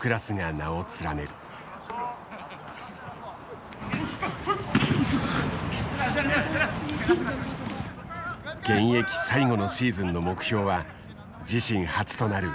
現役最後のシーズンの目標は自身初となる優勝。